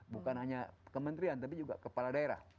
bukan hanya kementerian tapi juga kepala daerah